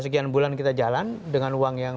sekian bulan kita jalan dengan uang yang